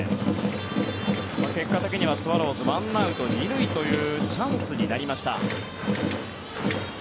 結果的にはスワローズ１アウト２塁というチャンスになりました。